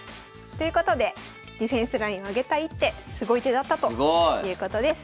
ということでディフェンスライン上げた一手すごい手だったということです。